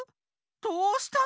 どうしたの？